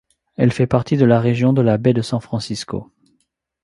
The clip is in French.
Elle fait partie de la Région de la baie de San Francisco.